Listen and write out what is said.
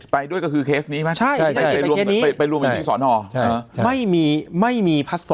ไปด้วยก็คือเคสนี้ไหม